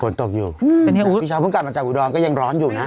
ฝนตกอยู่พี่เช้าเพิ่งกลับมาจากอุดรก็ยังร้อนอยู่นะ